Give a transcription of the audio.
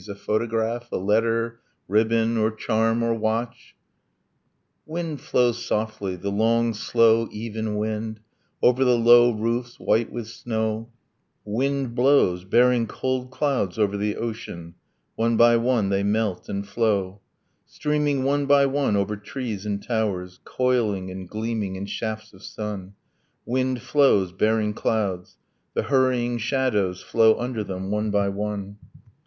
. a photograph, a letter, Ribbon, or charm, or watch ...'... Wind flows softly, the long slow even wind, Over the low roofs white with snow; Wind blows, bearing cold clouds over the ocean, One by one they melt and flow, Streaming one by one over trees and towers, Coiling and gleaming in shafts of sun; Wind flows, bearing clouds; the hurrying shadows Flow under them one by one